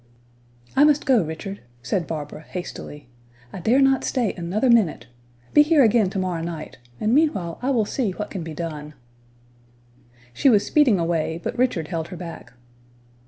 "I must go, Richard," said Barbara, hastily; "I dare not stay another minute. Be here again to morrow night, and meanwhile I will see what can be done." She was speeding away, but Richard held her back.